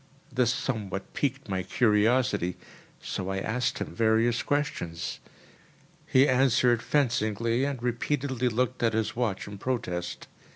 This somewhat piqued my curiosity, so I asked him various questions. He answered fencingly, and repeatedly looked at his watch in protest.